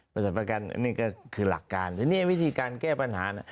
บริษัทประกันนี่ก็คือหลักการแต่นี่วิธีการแก้ปัญหา